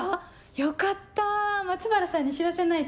よかった松原さんに知らせないと。